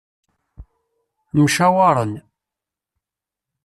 Mcawaren.